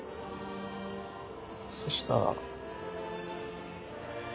そしたら。